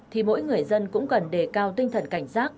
thì mỗi người dân cũng cần đề cao tinh thần cảnh giác